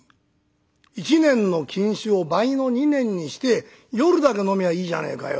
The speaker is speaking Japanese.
「１年の禁酒を倍の２年にして夜だけ飲みゃいいじゃねえかよ」。